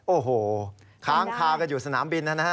โอ้โฮข้างคาอยู่สนามบินน่ะนะ